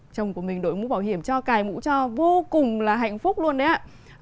chồng của mình đội mũ bảo hiểm cho cài mũ cho vô cùng là hạnh phúc luôn đấy ạ